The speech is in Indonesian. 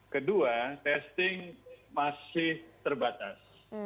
kedua testing masih terbatas